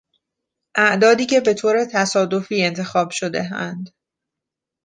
اعدادی که به طور تصادفی انتخاب شدهاند